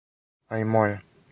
А и моја.